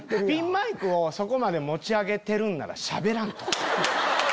ピンマイクをそこまで持ち上げてるんならしゃべらんと。